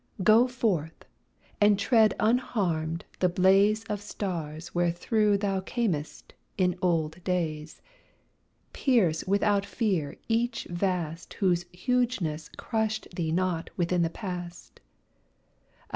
Go forth, and tread unharmed the blaze Of stars where through thou camest in old days; Pierce without fear each vast Whose hugeness crushed thee not within the past.